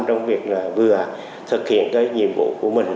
trong việc là vừa thực hiện cái nhiệm vụ của mình